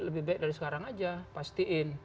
lebih baik dari sekarang aja pastiin